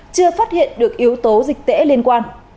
chưa phát hiện được yếu tố dịch tễ liên quan